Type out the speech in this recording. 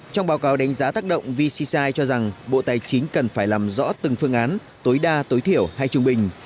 trong báo cáo đánh giá tác động vcci cho rằng bộ tài chính cần phải làm rõ từng phương án tối đa tối thiểu hay trung bình